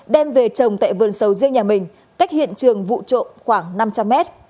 đem về trồng tại vườn sầu riêng nhà mình cách hiện trường vụ trộm khoảng năm trăm linh mét